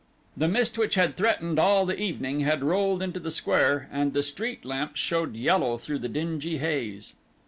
The mist which had threatened all the evening had rolled into the square and the street lamps showed yellow through the dingy haze.